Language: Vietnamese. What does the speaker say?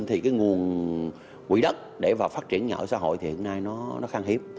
thì nguồn quỹ đất để phát triển nhà ở xã hội hiện nay nó khang hiếp